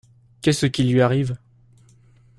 Qu’est-ce qui lui arrive ?